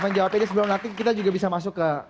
menjawabnya sebelum nanti kita juga bisa masuk ke